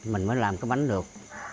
mình mới làm cái bánh được